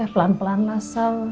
pelan pelan lah sal